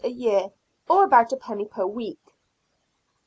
a year, or about a penny per week.